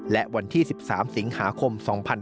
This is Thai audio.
และวันที่๑๓สิงหาคม๒๕๖๒